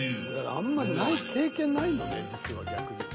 あんまり経験ないのね実は逆に。